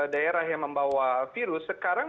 daerah yang membawa virus sekarang